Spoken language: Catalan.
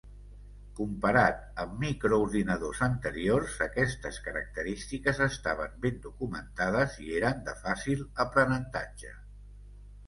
Comparat amb microordinadors anteriors, aquestes característiques estaven ben documentades i eren de fàcil aprenentatge.